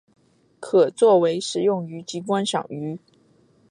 可做为食用鱼及观赏鱼。